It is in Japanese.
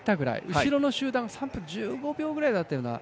後ろの集団が３分１５秒ぐらいだったかな